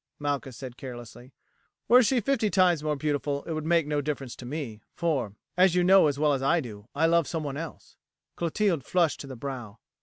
Malchus said carelessly. "Were she fifty times more beautiful it would make no difference to me, for, as you know as well as I do, I love some one else." Clotilde flushed to the brow.